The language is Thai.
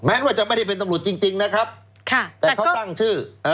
แม้ว่าจะไม่ได้เป็นตำรวจจริงนะครับแต่เขาตั้งชื่อ